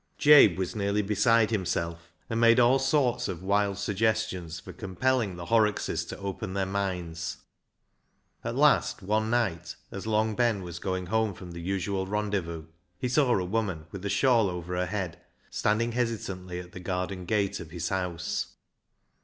Jabe was nearly beside himself, and made all sorts of wild suggestions for compelling the Horrockses to open their minds. At last one night, as Long Ben was going home from the usual rendezvous, he saw a woman, with a shawl over her head, standing hesitantly at the garden gate of his house.